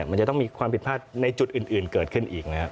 มันจะต้องมีความผิดพลาดในจุดอื่นเกิดขึ้นอีกนะครับ